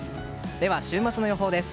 では週末の予報です。